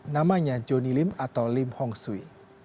namanya johnny lim atau lim hong sui